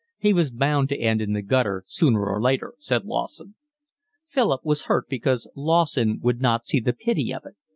He was bound to end in the gutter sooner or later," said Lawson. Philip was hurt because Lawson would not see the pity of it.